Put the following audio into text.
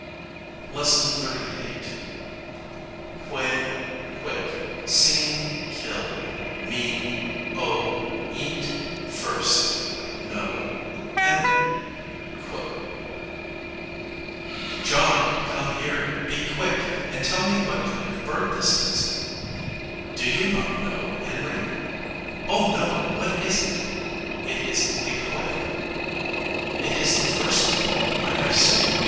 LESSON XXXVIII. quail quick seen kill me oh eat first know Henry qu [Illustration: Quail in brush.] "John! come here. Be quick, and tell me what kind of bird this is." "Do you not know, Henry?" "Oh, no! what is it?" "It is a quail." "It is the first quail I have seen.